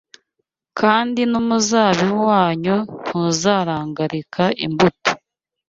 kandi n’umuzabibu wanyu ntuzaragarika imbuto